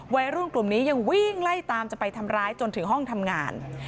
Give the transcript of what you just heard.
วัยรุ่นกลุ่มนี้ยังวิ่งไล่ตามจะไปทำร้ายจนถึงห้องทำงาน